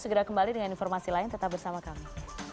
segera kembali dengan informasi lain tetap bersama kami